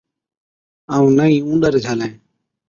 ائُون نہ ئِي اُونڏر جھالين۔